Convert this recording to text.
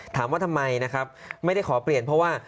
ถามว่าทำไมนะครับไม่ได้ขอเปลี่ยนเพราะว่า